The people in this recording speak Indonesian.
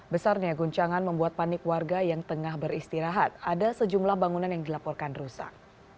besarnya guncangan membuat panik warga yang tengah beristirahat ada sejumlah bangunan yang dilaporkan rusak